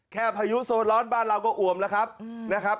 แค่พายุโซนล้อดบ้านเราก็อวมแล้วครับ